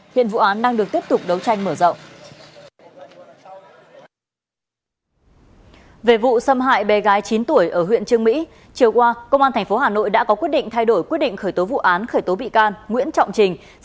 hiện vụ án đang được tiếp tục đấu tranh